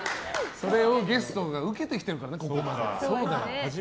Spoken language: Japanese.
それをゲストは受けてきてるからね。